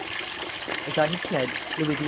As I have said, Louis XVIII.'